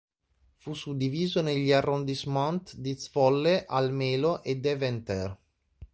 Fu suddiviso negli "arrondissement" di Zwolle, Almelo e Deventer.